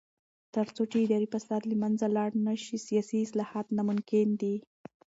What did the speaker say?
تر څو چې اداري فساد له منځه لاړ نشي، سیاسي اصلاحات ناممکن دي.